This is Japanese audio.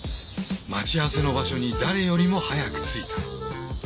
待ち合わせの場所に誰よりも早く着いた。